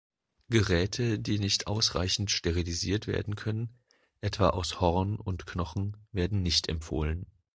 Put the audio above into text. Geräte, die nicht ausreichend sterilisiert werden können, etwa aus Horn und Knochen, werden nicht empfohlen.